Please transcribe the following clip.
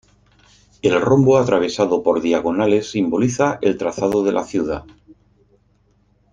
El rombo atravesado por diagonales simboliza el trazado de la ciudad.